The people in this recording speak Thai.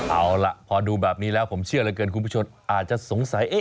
เอาล่ะพอดูแบบนี้แล้วผมเชื่อเหลือเกินคุณผู้ชมอาจจะสงสัย